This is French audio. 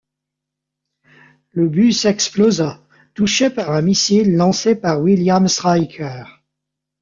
Le bus explosa, touché par un missile lancé par William Stryker.